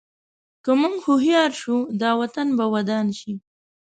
که موږ هوښیار شو، دا وطن به ودان شي.